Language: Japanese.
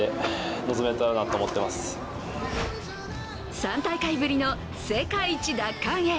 ３大会ぶりの世界一奪還へ。